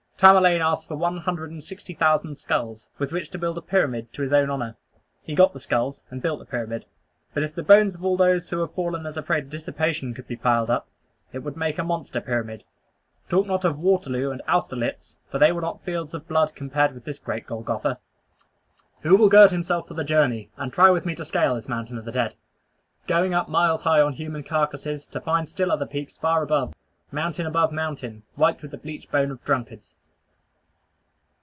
Tamerlane asked for one hundred and sixty thousand skulls, with which to build a pyramid to his own honor. He got the skulls, and built the pyramid. But if the bones of all those who have fallen as a prey to dissipation could be piled up, it would make a monster pyramid. Talk not of Waterloo and Austerlitz, for they were not fields of blood compared with this great Golgotha. Who will gird himself for the journey, and try with me to scale this mountain of the dead going up miles high on human carcasses, to find still other peaks far above, mountain above mountain, white with the bleached bones of drunkards!